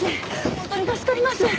本当に助かります。